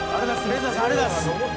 レーザーさんありがとうございます。